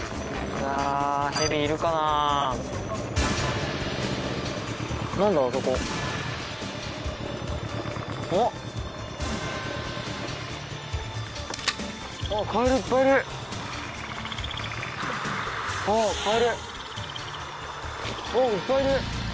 うわいっぱいいる。